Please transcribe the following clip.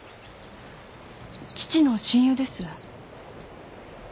父の親友です。